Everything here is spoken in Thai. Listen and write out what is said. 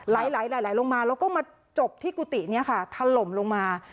ไหลไหลลงมาแล้วก็มาจบที่กุติเนี่ยค่ะทะลมลงมา